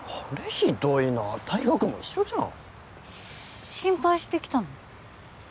ひどいな大学も一緒じゃん心配して来たの？